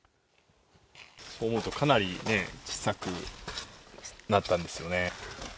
そう思うと、かなり小さくなったんですよね？